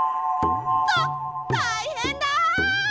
たったいへんだ！